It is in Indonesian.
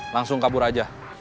langsung kabur aja